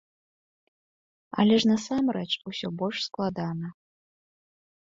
Але ж насамрэч усё больш складана.